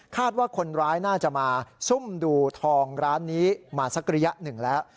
ว่าคนร้ายน่าจะมาซุ่มดูทองร้านนี้มาสักระยะหนึ่งแล้ว